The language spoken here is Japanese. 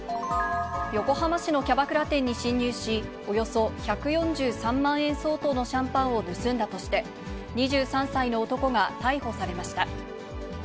横浜市のキャバクラ店に侵入し、およそ１４３万円相当のシャンパンを盗んだとして、２３歳の男が逮捕されました。